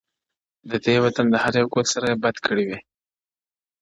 • د دې وطن د هر يو گل سره کي بد کړې وي ـ